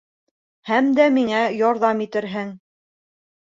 Һәм дә миңә ярҙам итерһең.